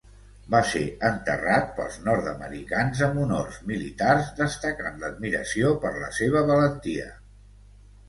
Va ser enterrat pels nord-americans amb honors militars destacant l'admiració per la seva valentia.